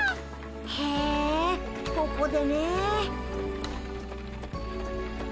へえここでねえ。